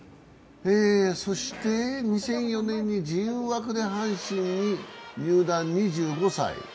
そして、２００４年に自由枠で阪神に入団、２５歳。